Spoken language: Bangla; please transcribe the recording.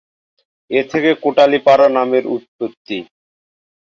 এ থেকে কোটালীপাড়া নামের উৎপত্তি।